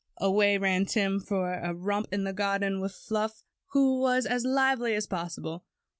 Away ran Tim for a romp in the garden with Fluff, who was as lively as possible.